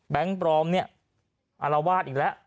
แบงค์ปลอมนี่อ่าวาดอีกแล้ว